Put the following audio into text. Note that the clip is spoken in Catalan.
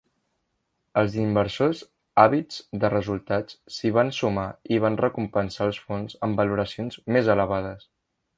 Els inversors, àvids de resultats, s'hi van sumar i van recompensar els fons amb valoracions més elevades.